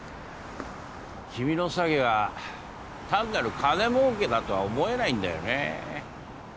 君の詐欺は単なる金儲けだとは思えないんだよねえ